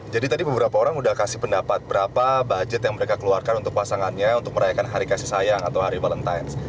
jadi tadi beberapa orang udah kasih pendapat berapa budget yang mereka keluarkan untuk pasangannya untuk merayakan hari kasih sayang atau hari valentine